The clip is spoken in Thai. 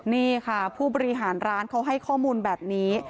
นี่ค่ะผู้บริหารร้านเขาให้ข้อมูลแบบนี้